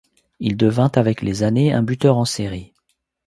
Il devint avec les années un buteur en série.